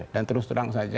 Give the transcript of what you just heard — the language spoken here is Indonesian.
dan terus terang saja